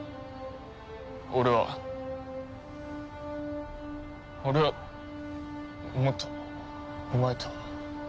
俺は俺はもっとお前と。